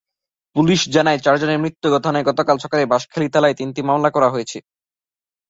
Police জানায়, চারজনের মৃত্যুর ঘটনায় গতকাল সকালে বাঁশখালী থানায় তিনটি মামলা করা হয়।